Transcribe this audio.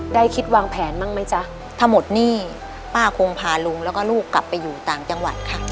ได้คิดวางแผนบ้างไหมจ๊ะถ้าหมดหนี้ป้าคงพาลุงแล้วก็ลูกกลับไปอยู่ต่างจังหวัดค่ะ